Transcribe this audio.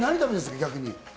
逆に。